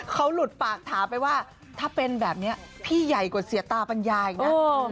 เขาหลุดปากถามไปว่าถ้าเป็นแบบนี้พี่ใหญ่กว่าเสียตาปัญญาอีกนะ